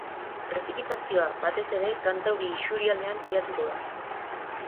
Prezipitazioa, batez ere, kantauri isurialdean pilatuko da.